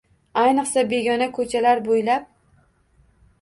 Ayniqsa begona ko’chalar bo’ylab.